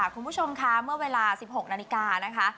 คุณผู้ชมคะเมื่อเวลา๑๖นาฬิกานะคะ